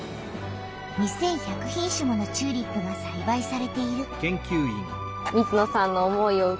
２，１００品種ものチューリップがさいばいされている。